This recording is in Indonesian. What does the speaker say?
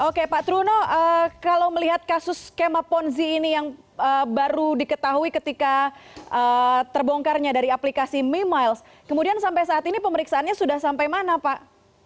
oke pak truno kalau melihat kasus skema ponzi ini yang baru diketahui ketika terbongkarnya dari aplikasi memiles kemudian sampai saat ini pemeriksaannya sudah sampai mana pak